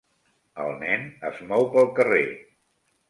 El nen es mou pel carrer.